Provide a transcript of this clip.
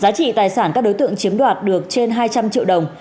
giá trị tài sản các đối tượng chiếm đoạt được trên hai trăm linh triệu đồng